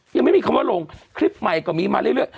ยังไม่มีคำว่าลงคลิปใหม่ก็มีมาเรื่อย